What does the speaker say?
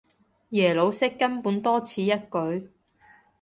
耶魯式根本多此一舉